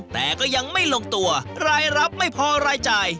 แต่ก็ยังไม่ลงตัวรายรับไม่พอรายจ่าย